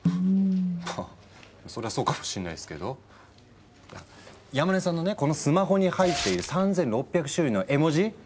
まあそれはそうかもしんないすけど山根さんのねこのスマホに入っている３，６００種類の絵文字。